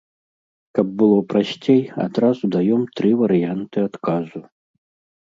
Каб было прасцей, адразу даём тры варыянты адказу.